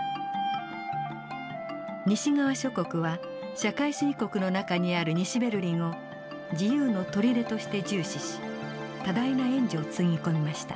西側諸国は社会主義国の中にある西ベルリンを自由の砦として重視し多大な援助をつぎ込みました。